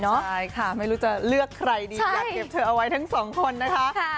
ใช่ค่ะไม่รู้จะเลือกใครดีอยากเก็บเธอเอาไว้ทั้งสองคนนะคะ